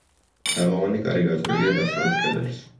თაღოვანი კარი გაჭრილია დასავლეთ კედელში.